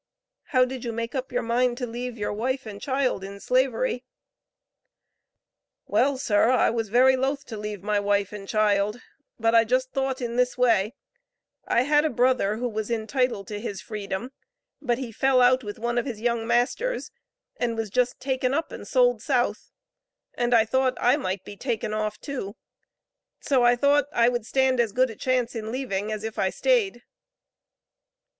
How did you make up your mind to leave your wife and child in Slavery? "Well, sir, I was very loth to leave my wife and child, but I just thought in this way: I had a brother who was entitled to his freedom, but he fell out with one of his young masters, and was just taken up and sold South, and I thought I might be taken off too, so I thought I would stand as good a chance in leaving, as if I stayed."